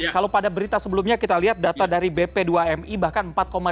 kalau pada berita sebelumnya kita lihat data dari bp dua mi bahkan empat lima